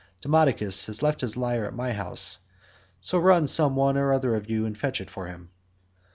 Demodocus has left his lyre at my house, so run some one or other of you and fetch it for him."